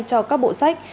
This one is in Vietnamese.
cho các bộ sách